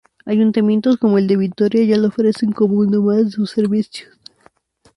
Ayuntamientos como el de Vitoria ya lo ofrecen como uno más de sus servicios.